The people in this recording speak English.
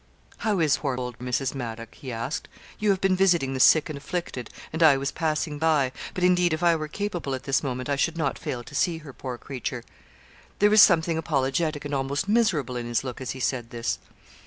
'How is poor old Mrs. Maddock?' he asked; 'you have been visiting the sick and afflicted, and I was passing by; but, indeed, if I were capable at this moment I should not fail to see her, poor creature.' There was something apologetic and almost miserable in his look as he said this.